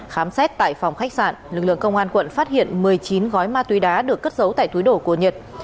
khám xét tại phòng khách sạn lực lượng công an quận phát hiện một mươi chín gói ma túy đá được cất giấu tại túi đồ của nhật